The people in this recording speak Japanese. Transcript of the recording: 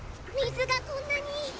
みずがこんなに！